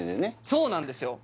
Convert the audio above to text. そうなんですよ